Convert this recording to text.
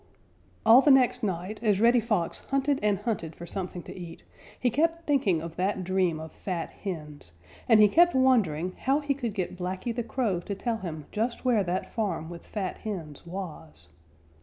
_ All the next night, as Reddy Fox hunted and hunted for something to eat, he kept thinking of that dream of fat hens, and he kept wondering how he could get Blacky the Crow to tell him just where that farm with fat hens was.